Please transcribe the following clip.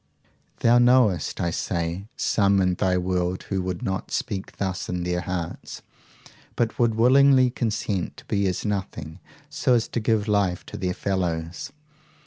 Thou knowest, I say, some in thy world who would not speak thus in their hearts, but would willingly consent to be as nothing, so to give life to their fellows.